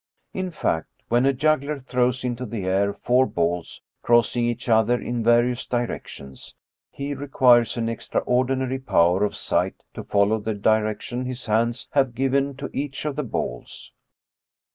In fact, when a juggler throws into the air four balls crossing each other in various directions, he requires an extraordinary power of sight to follow the direction his hands have given to each of the balls.